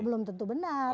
belum tentu benar